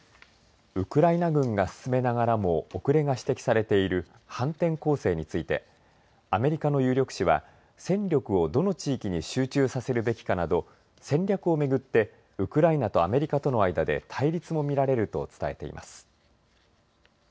ウクライナ軍が進めながらも遅れが指摘されている反転攻勢についてアメリカの有力紙は戦力をどの地域に集中させるべきかなど戦略を巡ってウクライナとアメリカとの間で対立も見られると伝えています。